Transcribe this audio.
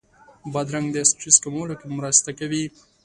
بادرنګ د سټرس کمولو کې مرسته کوي.